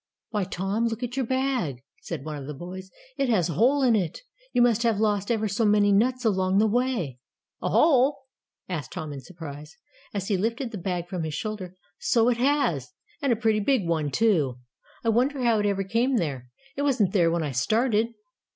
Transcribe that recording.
"Why, Tom, look at your bag," said one of the boys. "It has a hole in it. You must have lost ever so many nuts along the way." "A hole?" asked Tom in surprise, as he lifted the bag from his shoulder. "So it has and a pretty big one, too. I wonder how it ever came there. It wasn't there when I started."